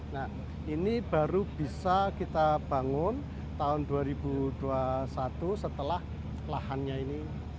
nah ini baru bisa kita bangun tahun dua ribu dua puluh satu setelah lahannya ini